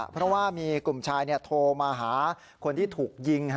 เพราะว่ามีกลุ่มชายโทรมาหาคนที่ถูกยิง